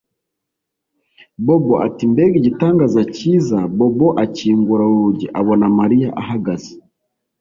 Bobo ati Mbega igitangaza cyiza Bobo akingura urugi abona Mariya ahagaze